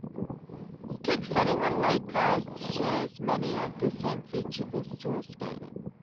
Kicksledding on lake ice shares many of the same features as tour skating.